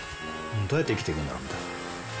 どうやって生きてくんだろうみたいな。